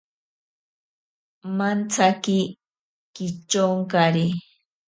Mantsaki kichonkari.